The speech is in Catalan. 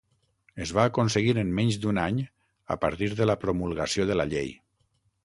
Es va aconseguir en menys d'un any a partir de la promulgació de la llei.